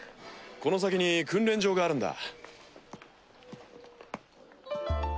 この先に訓練場があるんだ。